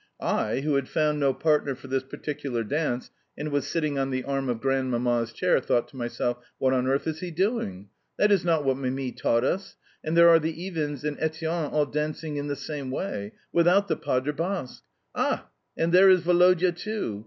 I, who had found no partner for this particular dance and was sitting on the arm of Grandmamma's chair, thought to myself: "What on earth is he doing? That is not what Mimi taught us. And there are the Iwins and Etienne all dancing in the same way without the pas de Basques! Ah! and there is Woloda too!